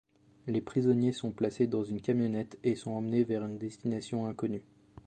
Les prisonniers sont placés dans une camionnette, et sont emmenés vers une destination inconnue.